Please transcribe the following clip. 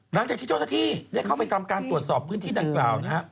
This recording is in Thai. หลังจากที่เจ้าหน้าที่ได้เข้าไปทำการตรวจสอบพื้นที่ดังกล่าวนะฮะ